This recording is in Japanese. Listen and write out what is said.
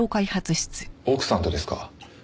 奥さんとですか？